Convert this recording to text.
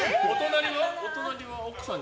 お隣は奥さん？